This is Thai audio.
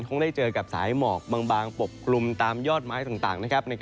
คงได้เจอกับสายหมอกบางปกคลุมตามยอดไม้ต่างนะครับ